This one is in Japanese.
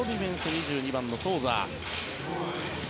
２２番のソウザ。